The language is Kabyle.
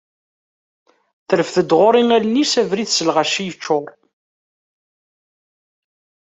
Terfed-d ɣur-i allen-is, abrid s lɣaci yeččur.